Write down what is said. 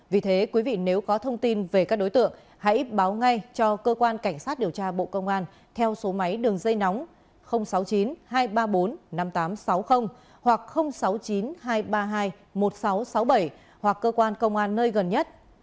vì thế quý vị nếu có thông tin về các đối tượng hãy báo ngay cho cơ quan cảnh sát điều tra bộ công an theo số máy đường dây nóng sáu mươi chín hai trăm ba mươi bốn năm nghìn tám trăm sáu mươi hoặc sáu mươi chín hai trăm ba mươi hai một nghìn sáu trăm sáu mươi bảy hoặc cơ quan công an nơi gần nhất